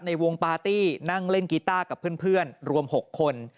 ในวงปาร์ตี้นั่งเล่นกีต้ากับเพื่อนรวม๖คน